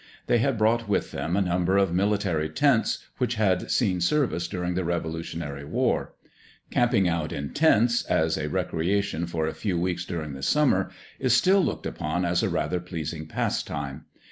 They had brought with them a number of military tents, which had seen service during the Revolutionary War. Camping out in tents, as a recreation for a few weeks during the summer, is still looked upon as a rather pleasing pastime.